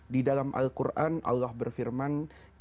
di dalam al quran allah berfirman